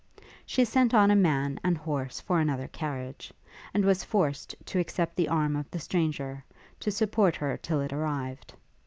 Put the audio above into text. She sent on a man and horse for another carriage, and was forced to accept the arm of the stranger, to support her till it arrived.